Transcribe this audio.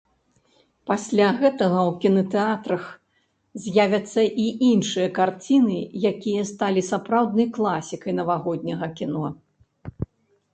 Пасля гэтага ў кінатэатрах з'явяцца і іншыя карціны, якія сталі сапраўднай класікай навагодняга кіно.